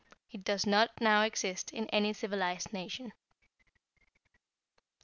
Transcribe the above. It does not now exist in any civilized nation.